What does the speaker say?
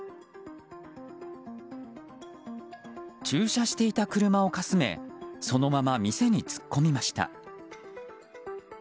駐車していた車をかすめそのまま店に突っ込みました。